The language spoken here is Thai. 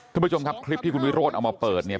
คุณผู้ชมครับคลิปที่คุณวิโรธเอามาเปิดเนี่ย